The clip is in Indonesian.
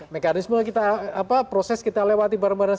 mekanisme proses kita lewati bareng bareng